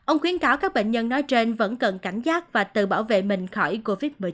ông khuyến cáo các bệnh nhân nói trên vẫn cần cảnh giác và tự bảo vệ mình khỏi covid một mươi chín